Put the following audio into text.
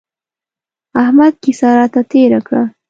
احمد کيسه راته تېره کړه.